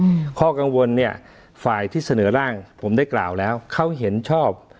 อืมข้อกังวลเนี้ยฝ่ายที่เสนอร่างผมได้กล่าวแล้วเขาเห็นชอบ